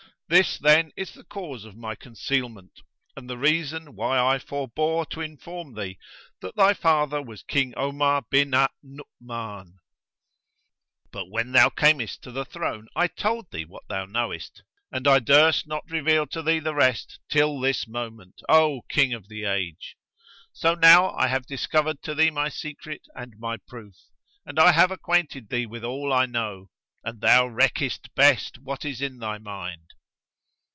This, then, is the cause of my concealment and the reason why I forbore to inform thee that thy father was King Omar bin al Nu'uman; but when thou camest to the throne, I told thee what thou knowest; and I durst not reveal to thee the rest till this moment, O King of the Age! So now I have discovered to thee my secret and my proof, and I have acquainted thee with all I know; and thou reckest best what is in thy mind."